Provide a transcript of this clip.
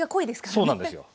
そうなんですよ。